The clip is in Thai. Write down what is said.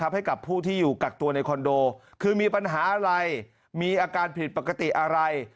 ให้กับผู้ที่อยู่กักตัวในคอนโดคือมีปัญหาอะไรมีอาการผิดปกติอะไร